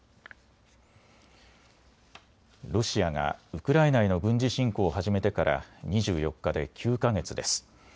ロシアがウクライナへの軍事侵攻を始めてから２４日で９か月です。